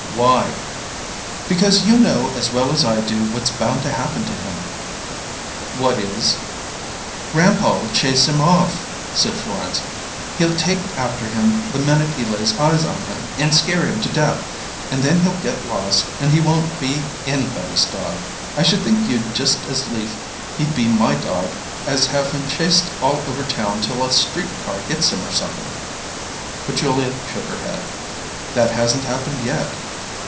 "Why?" "Because you know as well as I do what's bound to happen to him!" "What is?" "Grandpa'll chase him off," said Florence. "He'll take after him the minute he lays eyes on him, and scare him to death and then he'll get lost, and he won't be anybody's dog! I should think you'd just as lief he'd be my dog as have him chased all over town till a street car hits him or somep'n." But Julia shook her head. "That hasn't happened yet."